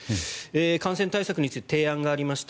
感染対策について提案がありました。